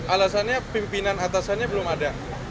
alasannya pimpinan atasannya belum ada